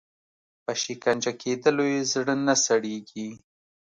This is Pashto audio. په شکنجه کېدلو یې زړه نه سړیږي.